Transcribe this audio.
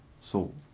そう。